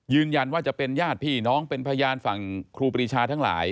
ยืนยันว่าจะเป็นญาติพี่น้องเป็นพยานฝั่งครูปรีชาทั้งหลาย